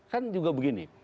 kan juga begini